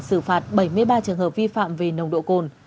xử phạt bảy mươi ba trường hợp vi phạm về nồng độ cồn